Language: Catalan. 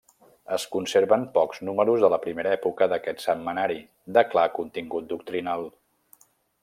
Es conserven pocs números de la primera època d'aquest setmanari, de clar contingut doctrinal.